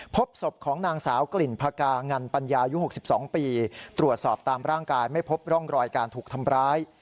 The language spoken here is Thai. พบศพของนางสาวกลิ่นพกางันปัญญายุ๖๒ปีตรวจสอบตามร่างกายไม่พบร่องรอยการถูกทำร้าย